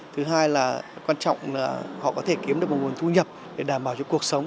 thứ hai là quan trọng là họ có thể kiếm được một nguồn thu nhập để đảm bảo cho cuộc sống